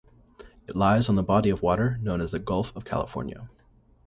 It lies on the body of water known as the Gulf of California.